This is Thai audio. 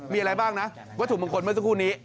มีอะไรบ้างนะวัตถุมงคลเมื่อสักครู่นี้